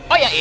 oh ya im